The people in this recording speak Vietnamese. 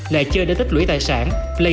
là chơi để tích lưỡi tài sản